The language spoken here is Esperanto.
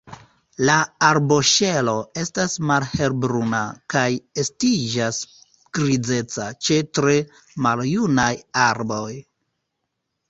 La arboŝelo estas malhelbruna kaj estiĝas grizeca ĉe tre maljunaj arboj.